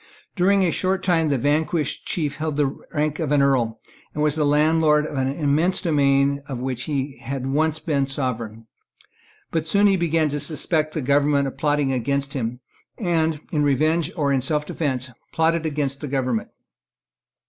During a short time the vanquished chief held the rank of an Earl, and was the landlord of an immense domain of which he had once been the sovereign. But soon he began to suspect the government of plotting against him, and, in revenge or in selfdefence, plotted against the government.